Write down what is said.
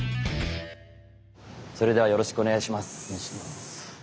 それではよろしくお願いします。